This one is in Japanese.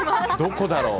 どこだろう？